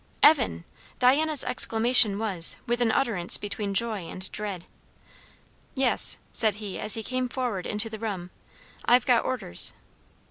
"Evan!" Diana's exclamation was, with an utterance between joy and dread. "Yes," said he as he came forward into the room, "I've got orders."